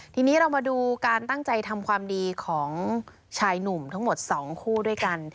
ทีนี้เรามาดูการตั้งใจทำความดีของชายหนุ่มทั้งหมด๒คู่ด้วยกัน